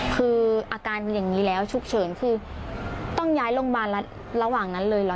คืออาการเป็นอย่างนี้แล้วฉุกเฉินคือต้องย้ายโรงพยาบาลระหว่างนั้นเลยเหรอ